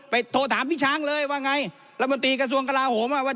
โทรถามพี่ช้างเลยว่าไงรัฐมนตรีกระทรวงกลาโหมอ่ะว่า